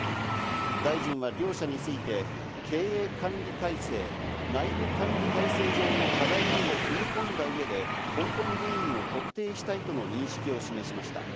大臣は両社について、経営管理体制、内部管理体制上の課題にも踏み込んだ上で、根本原因を特定したいとの認識を示しました。